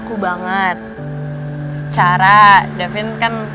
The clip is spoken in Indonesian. kamu mau jadi pacar